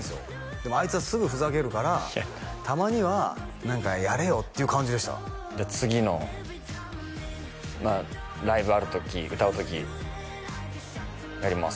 でもあいつはすぐふざけるからたまには何かやれよっていう感じでした次のライブある時歌う時やります